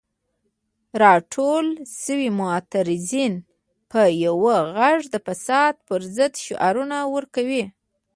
راټول شوي معترضین په یو غږ د فساد پر ضد شعارونه ورکوي.